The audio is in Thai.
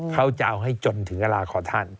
เขาจะเอาให้จนถึงเวลาของท่าน